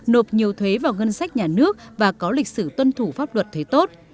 nộp nhiều thuế vào ngân sách nhà nước và có lịch sử tuân thủ pháp luật thuế tốt